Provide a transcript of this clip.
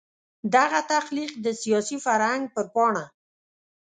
دغه تخلیق د سیاسي فرهنګ پر پاڼه.